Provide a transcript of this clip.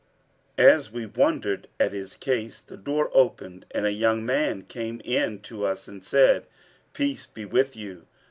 As we wondered at his case, the door opened and a young man came in to us and said, 'Peace be with you!